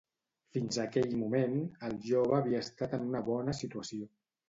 Fins aquell moment, el jove havia estat en una bona situació?